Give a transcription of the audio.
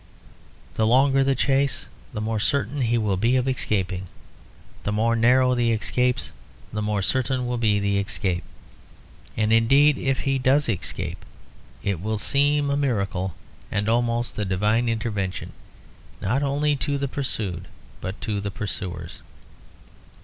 The longer the chase, the more certain he will be of escaping; the more narrow the escapes, the more certain will be the escape. And indeed if he does escape it will seem a miracle, and almost a divine intervention, not only to the pursued but to the pursuers.